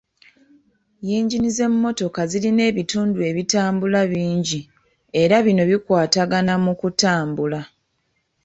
Yingini z'emmotoka zirina ebitundu ebitambula bingi era bino bikwatagana mu kutambula